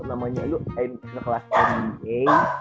namanya lu main kelas nba